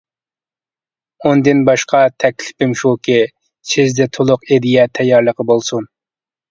ئۇندىن باشقا تەكلىپىم شۇكى، سىزدە تولۇق ئىدىيە تەييارلىقى بولسۇن.